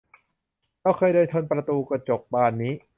เราเคยเดินชนประตูกระจกบานนี้